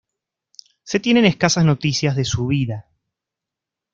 Se tienen escasas noticias de su vida.